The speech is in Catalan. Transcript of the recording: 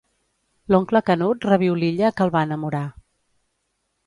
L'oncle Canut reviu l'illa que el va enamorar.